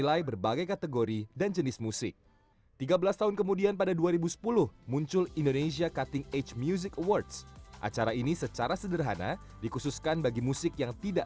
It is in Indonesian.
pembelian musik indonesia